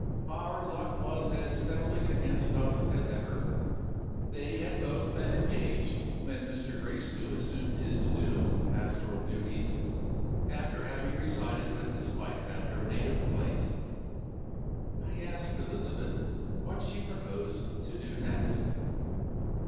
Our luck was as steadily against us as ever. They had both been engaged when Mr. Gracedieu assumed his new pastoral duties, after having resided with his wife at her native place. "I asked Elizabeth what she proposed to do next.